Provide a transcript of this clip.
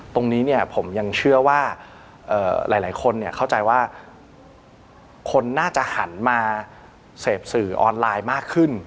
ตรงนี้เนี่ยผมยังเชื่อว่าหลายคนเข้าใจว่าคนน่าจะหันมาเสพสื่อออนไลน์มากขึ้น